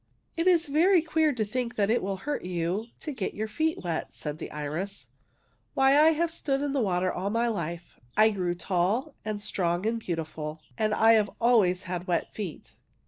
*' It is very queer to think that it will hurt you to get your feet wet," said the iris. << Why, I have stood in the water all my life. I grew tall and strong and beautiful, and I've always had wet feet.